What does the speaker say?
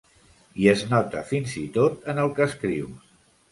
I es nota fins i tot en el que escrius.